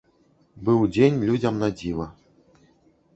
Быў дзень людзям на дзіва.